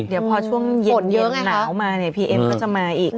เดี๋ยวพอช่วงเย็นหนาวมาเนี่ยพีเอ็มก็จะมาอีก